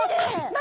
何？